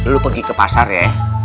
dulu pergi ke pasar ya